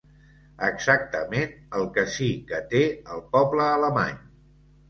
Exactament el que sí que té el poble alemany.